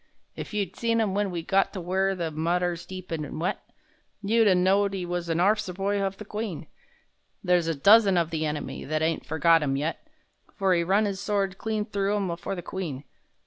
If you'd seen him when we got to where The Modder's deep an' wet, You'd a knowed 'e was a' orf'cer hof the Queen! There's a dozen of the enemy That ain't forgot 'im yet— For 'e run 'is sword clean through 'em for the Queen!